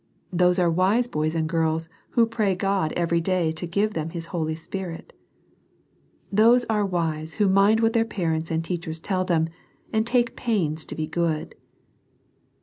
Those are wise boys and girls who pray God every day to give them His Holy Spirit. Those are wise who mind what their parents and teachers tell them, and take pains to be good.